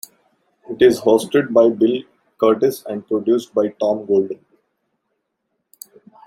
It is hosted by Bill Kurtis and produced by Tom Golden.